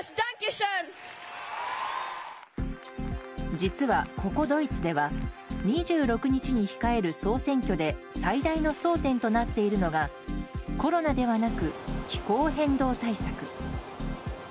実は、ここドイツでは２６日に控える総選挙で最大の争点となっているのがコロナではなく気候変動対策。